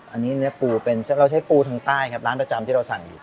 อันนี้เนื้อปูเป็นเราใช้ปูทางใต้ครับร้านประจำที่เราสั่งอยู่